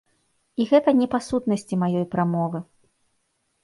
І гэта не па сутнасці маёй прамовы.